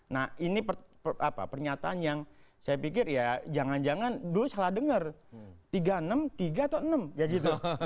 nah ini pernyataan yang saya pikir ya jangan jangan dulu salah dengar tiga ratus enam puluh tiga atau enam